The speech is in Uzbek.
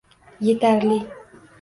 Yetarli.